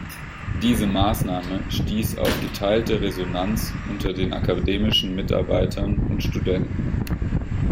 Diese Maßnahme stieß auf geteilte Resonanz unter den akademischen Mitarbeitern und Studenten.